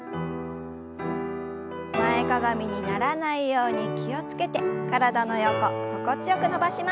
前かがみにならないように気を付けて体の横心地よく伸ばします。